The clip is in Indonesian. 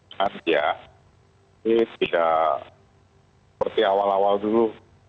ya ini tidak seperti awal awal dulu